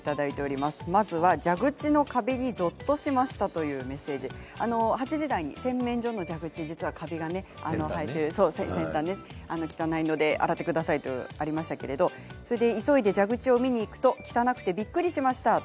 まずは蛇口のカビにぞっとしましたというメッセージ８時台に洗面所の蛇口先端、カビが生えて汚いので洗ってくださいとありましたけれども急いで蛇口を見に行くと汚くてびっくりしました。